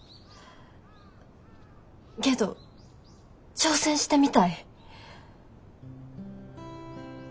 けど挑戦してみたい。